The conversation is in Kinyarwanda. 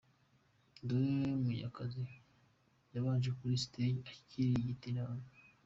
Deo Munyakazi yabanje kuri stage akirigita inanga.